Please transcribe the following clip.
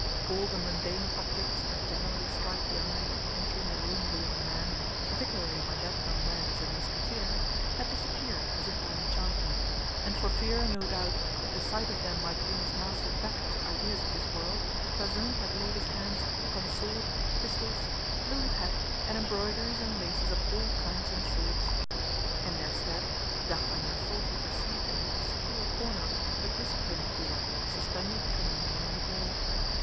All the mundane objects that generally strike the eye on entering the room of a young man, particularly when that young man is a Musketeer, had disappeared as if by enchantment; and for fear, no doubt, that the sight of them might bring his master back to ideas of this world, Bazin had laid his hands upon sword, pistols, plumed hat, and embroideries and laces of all kinds and sorts. In their stead D'Artagnan thought he perceived in an obscure corner a discipline cord suspended from a nail in the wall.